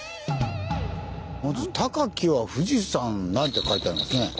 「まず高きは富士山なり」って書いてありますね。